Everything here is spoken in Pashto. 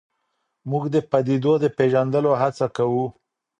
موږ د پدیدو د پېژندلو هڅه کوو.